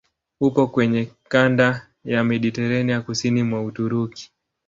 Upo kwenye kanda ya Mediteranea kusini mwa Uturuki.